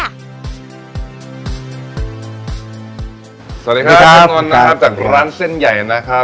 สวัสดีครับนอนจากร้านเส้นใหญ่นะครับ